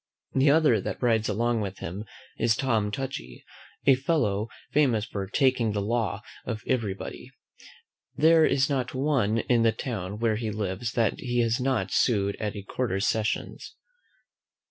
The other that rides along with him is Tom Touchy, a fellow famous for TAKING THE LAW of every body. There is not one in the town where he lives that he has not sued at a quarter sessions.